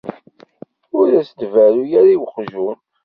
Ur as-d-berru ara i weqjun.